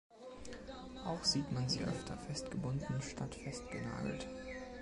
Auch sieht man sie öfter festgebunden statt festgenagelt.